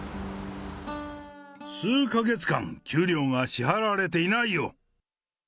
数か月間、給料が支払われていないよ。